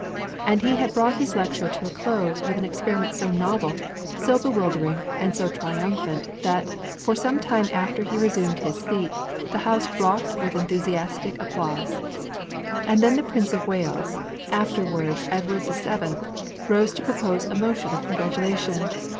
And he had brought his lecture to a close with an experiment so novel, so bewildering and so triumphant that, for some time after he resumed his seat, the house rocked with enthusiastic applause. And then the Prince of Wales afterwards King Edward the Seventh rose to propose a motion of congratulation.